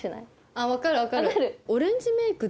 あっ分かる分かる分かる？